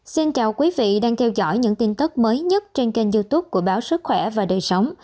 xin chào quý vị đang theo dõi những tin tức mới nhất trên kênh youtube của báo sức khỏe và đời sống